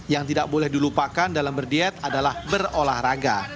yang tidak boleh dilupakan dalam berdiet adalah berolahraga